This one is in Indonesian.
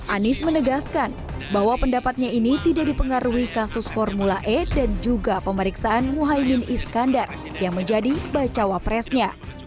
anies menegaskan bahwa pendapatnya ini tidak dipengaruhi kasus formula e dan juga pemeriksaan muhaymin iskandar yang menjadi bacawa presnya